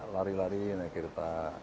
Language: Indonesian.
lari lari naik kereta